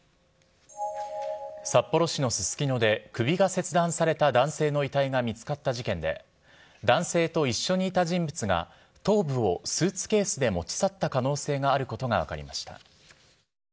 札幌市のススキノで、首が切断された男性の遺体が見つかった事件で、男性と一緒にいた人物が、頭部をスーツケースで持ち去った可能性があることが分かりました。